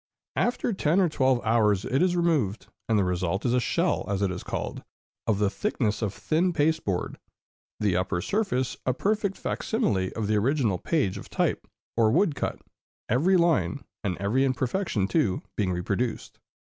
After ten or twelve hours it is removed, and the result is a shell, as it is called, of the thickness of thin pasteboard, the upper surface a perfect fac simile of the original page of type or wood cut, every line, and every imperfection too, being reproduced.